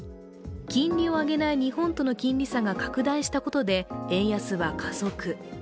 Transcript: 金利を上げない日本との金利差が拡大したことで円安は加速。